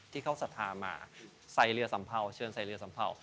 ที่เขาศรัทธามาใส่เรือสัมเภาเชิญใส่เรือสัมเภา